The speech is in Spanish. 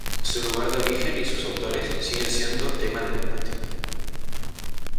Su lugar de origen y sus autores siguen siendo tema de debate.